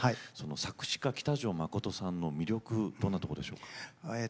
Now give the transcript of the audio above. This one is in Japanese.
作詞家喜多條忠さんの魅力はどんなところでしょうか。